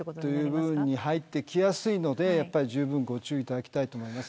という部分に入ってきやすいのでじゅうぶんご注意いただきたいと思います。